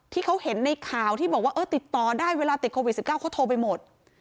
ที่เขาเห็นในข่าวที่บอกว่าเออติดต่อได้เวลาติดโควิด๑๙เขาโทรไปหมด